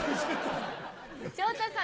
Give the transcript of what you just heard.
昇太さん。